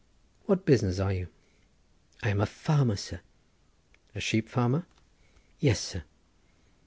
"What business are you?" "I am a farmer, sir." "A sheep farmer?" "Yes sir."